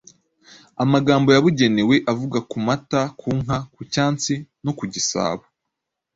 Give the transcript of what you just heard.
amagambo yabugenewe avuga ku mata, ku nka, ku cyansi no ku gisabo.